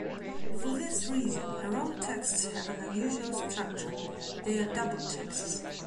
For this reason, her own texts have an unusual structure: they are double texts.